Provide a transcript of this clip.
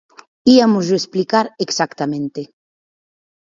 Iámosllo explicar exactamente.